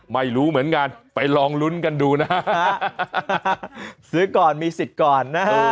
ไม่รู้เหมือนกันไปลองลุ้นกันดูนะฮะซื้อก่อนมีสิทธิ์ก่อนนะฮะ